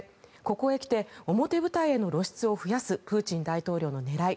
ここへ来て表舞台への露出を増やすプーチン大統領の狙い